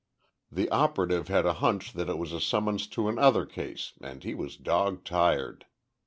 "The operative had a hunch that it was a summons to another case and he was dog tired.